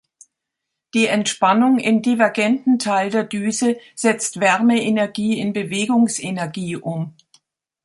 Die Entspannung im divergenten Teil der Düse setzt Wärmeenergie in Bewegungsenergie um.